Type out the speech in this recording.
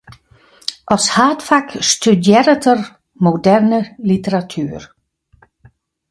As haadfak studearret er moderne literatuer.